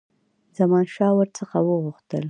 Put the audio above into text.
زمانشاه ور څخه وغوښتل.